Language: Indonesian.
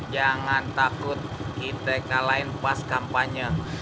jangan takut kita lain pas kampanye